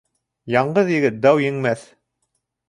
Яңғыҙ егет дау еңмәҫ.